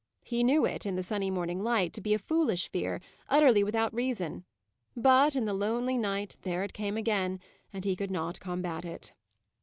He knew it, in the sunny morning light, to be a foolish fear, utterly without reason: but, in the lonely night, there it came again, and he could not combat it.